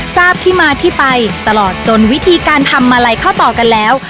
ทราบที่มาที่ไปตลอดจนวิธีการทำมาลัยเข้าต่อกันแล้ว